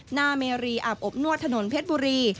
เมรีอาบอบนวดถนนเพชรบุรี